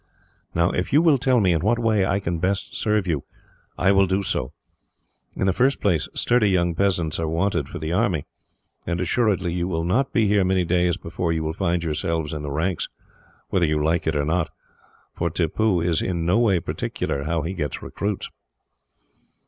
"Now, if you will tell me in what way I can best serve you, I will do so. In the first place, sturdy young peasants are wanted for the army, and assuredly you will not be here many days before you will find yourselves in the ranks, whether you like it or not; for Tippoo is in no way particular how he gets recruits."